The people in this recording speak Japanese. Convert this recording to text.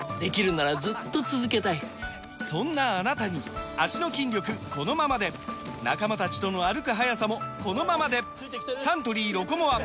そんなあなたに脚の筋力このままで仲間たちとの歩く速さもこのままでサントリー「ロコモア」！